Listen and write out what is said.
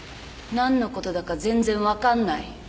何のことだか全然分かんない。